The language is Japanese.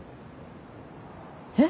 えっ？